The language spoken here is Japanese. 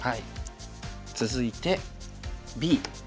続いてＢ。